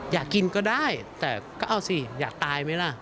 อยากกินก็ได้แต่ก็เอาสิอยากตายไหมล่ะ